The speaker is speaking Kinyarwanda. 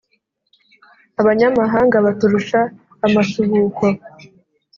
Abanyamahanga baturusha amasuhuko,